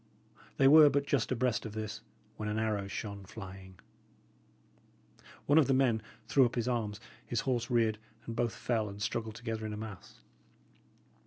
They were but just abreast of this, when an arrow shone flying. One of the men threw up his arms, his horse reared, and both fell and struggled together in a mass.